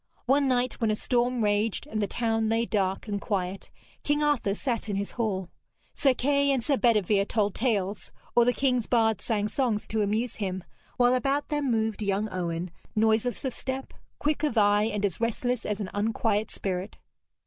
One night, when a storm raged and the town lay dark and quiet, King Arthur sat in his hall. Sir Kay and Sir Bedevere told tales, or the king's bard sang songs to amuse him, while about them moved young Owen, noiseless of step, quick of eye, and as restless as an unquiet spirit.